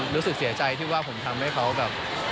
รู้สึกเสียใจที่ว่าผมทำให้เขาแบบ